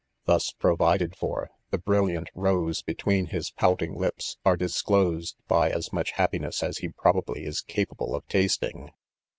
Thus provided for, the brilliant rows between his pouting lips are disclosed by as much happiness as he, probably, is capable of tasting.